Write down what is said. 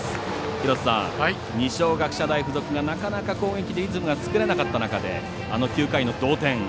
廣瀬さん、二松学舎大付属が攻撃でリズムを作れなかった中であの９回の同点。